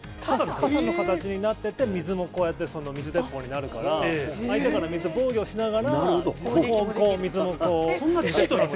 傘の形になってて、水もこうやって、水鉄砲になるから、相手から水を防御しながら、こう、水をこう。